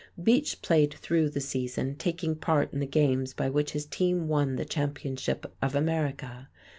Beach played through the season, taking part in the games by which his team won the championship of America.